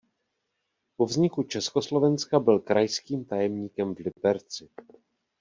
Po vzniku Československa byl krajským tajemníkem v Liberci.